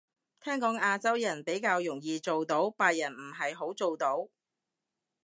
聽講亞洲人比較容易做到，白人唔係好做到